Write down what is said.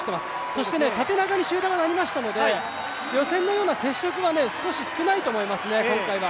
そして縦長に集団がなりましたので予選のような接触は少し少ないと思いますね、今回は。